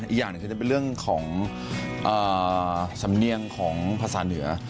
อีกอย่างหนึ่งคือจะเป็นเรื่องของสำเนียงของภาษาเหนือ